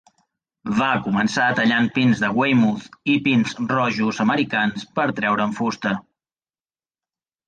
Va començar tallant pins de Weymouth i pins rojos americans per treure'n fusta.